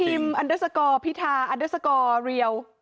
อันเดอร์สกอร์พิธาอันเดอร์สกอร์เรียว